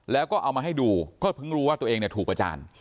แล้วก็เอามาให้ดูก็เพิ่งรู้ว่าตัวเองถูกประจาน